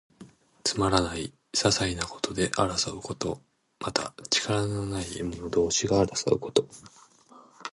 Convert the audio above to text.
つまらない、ささいなことで争うこと。また、力のない者同士が争うこと。